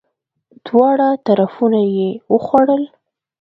دواړه طرفونه یی وخوړل!